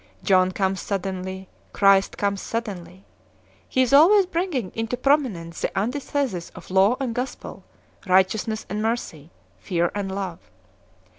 John comes suddenly, Christ comes suddenly 3 . He is always bringing into prominence the antithesis of Law and Gospel, righteousness and mercy, fear and love.